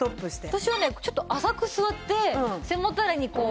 私はねちょっと浅く座って背もたれによりかかる。